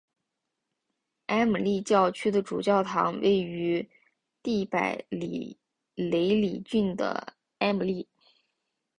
埃姆利教区的主教堂位于蒂珀雷里郡的埃姆利。